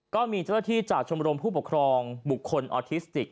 ก็มีเจ้าหน้าที่จากชมรมผู้ปกครองบุคคลออทิสติก